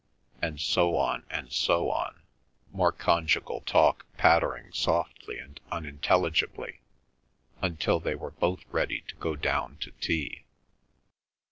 And so on and so on, more conjugal talk pattering softly and unintelligibly, until they were both ready to go down to tea.